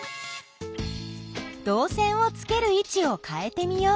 どう線をつけるいちをかえてみよう。